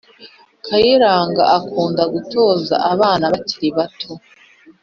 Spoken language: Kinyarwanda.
kayiranga akunda gutoza abana bakiri bato